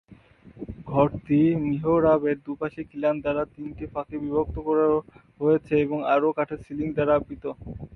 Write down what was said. ঘরটি মিহরাবের দুপাশে খিলান দ্বারা তিনটি ফাঁকে বিভক্ত করা হয়েছে এবং আরও কাঠের সিলিং দ্বারা আবৃত।